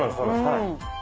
はい。